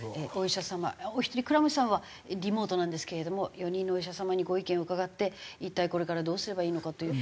お一人倉持さんはリモートなんですけれども４人のお医者様にご意見を伺って一体これからどうすればいいのかという。